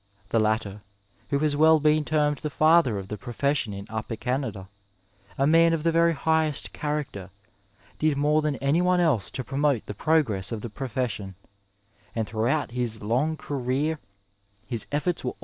The latter, who has well been termed the father of the profession in Upper Ganada, a man of the very highest character, did more than anyone else to promote the progress of the profession ; and throughout his long career his efforts were.